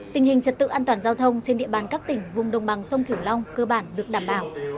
tình hình trật tự an toàn giao thông trên địa bàn các tỉnh vùng đồng bằng sông kiểu long cơ bản được đảm bảo